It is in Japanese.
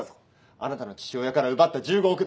あなたの父親から奪った１５億で。